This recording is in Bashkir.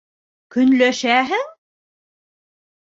Көнләшәһең?